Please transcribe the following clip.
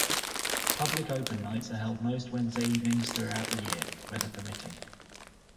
Public Open Nights are held most Wednesday evenings throughout the year, weather permitting.